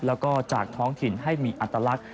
แล้วก็จากท้องถิ่นให้มีอัตลักษณ์